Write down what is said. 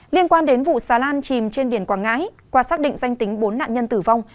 liên quan đến vụ xà lan chìm trên biển quảng ngãi qua xác định danh tính bốn nạn nhân tử vong